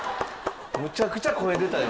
むちゃくちゃ声出たよ。